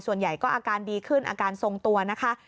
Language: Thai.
ส่วนใหญ่ก็อาการดีขึ้นอาการทรงตัวนะคะ